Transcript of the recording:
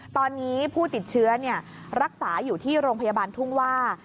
ตอนนี้ผู้ติดเชื้อรักษาอยู่ที่โรงพยาบาลทุ่งว่า